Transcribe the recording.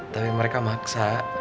tapi mereka maksa